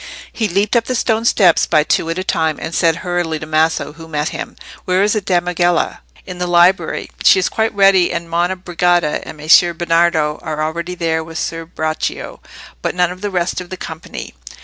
He leaped up the stone steps by two at a time, and said hurriedly to Maso, who met him— "Where is the damigella?" "In the library; she is quite ready, and Monna Brigida and Messer Bernardo are already there with Ser Braccio, but none of the rest of the company."